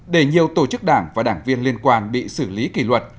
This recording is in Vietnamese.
để nhiều tổ chức đảng và đảng viên liên quan bị xử lý kỷ luật